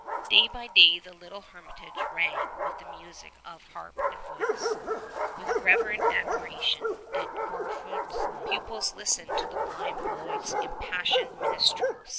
Day by day the little hermitage rang with the music of harp and voice. With reverent admiration did Gorfoed's pupils listen to the blind boy's impassioned minstrelsy.